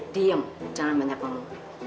diam jangan menyapa kamu